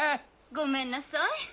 ごめんなさい